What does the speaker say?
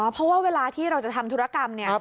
เพราะว่าเวลาที่เราจะทำธุรกรรมเนี่ย